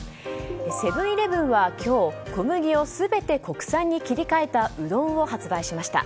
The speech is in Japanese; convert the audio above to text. セブン‐イレブンは今日小麦を全て国産に切り替えたうどんを発売しました。